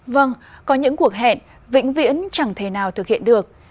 vâng có những cuộc hẹn vĩnh viễn chẳng thể nào thực hiện được